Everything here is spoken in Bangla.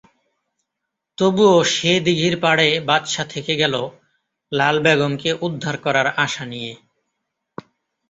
তবুও সে দিঘির পাড়ে বাদশা থেকে গেল লাল বেগমকে উদ্ধার করার আশা নিয়ে।